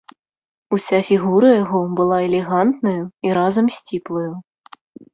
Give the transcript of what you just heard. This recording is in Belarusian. Уся фігура яго была элегантнаю і разам сціплаю.